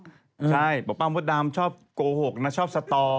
ใช่บอกป้ามดดำชอบโกหกนะชอบสตอ